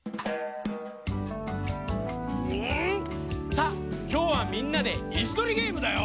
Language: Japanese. さあきょうはみんなでいすとりゲームだよ。